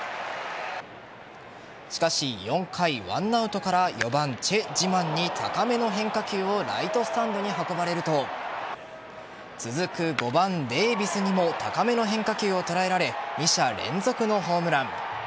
しかし、４回１アウトから４番チェ・ジマンに高めの変化球をライトスタンドに運ばれると続く、５番・デービスにも高めの変化球を捉えられ２者連続のホームラン。